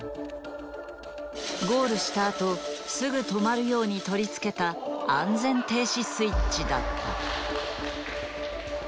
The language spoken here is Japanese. ゴールしたあとすぐ止まるように取り付けた安全停止スイッチだった。